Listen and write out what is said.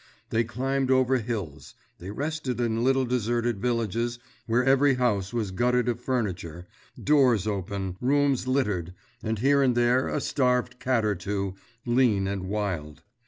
They climbed over hills, they rested in little deserted villages where every house was gutted of furniture, doors open, rooms littered, and here and there a starved cat or two, lean and wild.